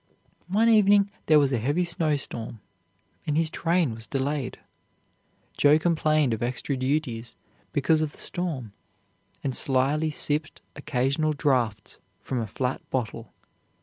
One evening there was a heavy snowstorm, and his train was delayed. Joe complained of extra duties because of the storm, and slyly sipped occasional draughts from a flat bottle.